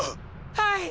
はい！